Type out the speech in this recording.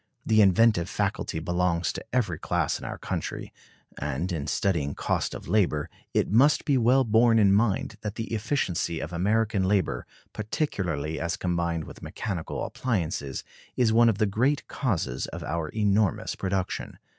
The inventive faculty belongs to every class in our country; and, in studying cost of labor, it must be well borne in mind that the efficiency of American labor, particularly as combined with mechanical appliances, is one of the great causes of our enormous production.